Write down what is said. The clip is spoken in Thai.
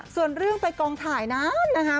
ส่วนเรื่องไปกองถ่ายนั้นนะคะ